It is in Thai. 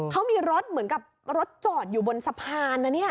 เขามีรถเหมือนกับรถจอดอยู่บนสะพานนะเนี่ย